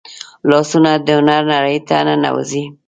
لاسونه د هنر نړۍ ته ننوځي